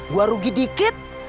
gua rugi dikit